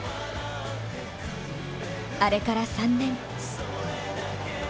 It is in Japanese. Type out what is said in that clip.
あれから３年。